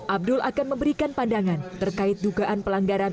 abdul akan memberikan pandangan terkait dugaan pelanggaran